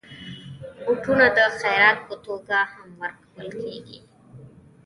بوټونه د خيرات په توګه هم ورکول کېږي.